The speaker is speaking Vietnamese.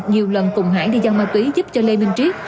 nhiều lần cùng hải đi dân ma túy giúp cho lê minh triết